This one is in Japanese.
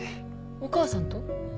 お母さんと？